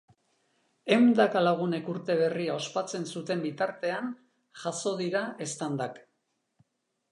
Ehundaka lagunek urte berria ospatzen zuten bitartean jazo dira eztandak.